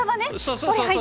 そうそうそう。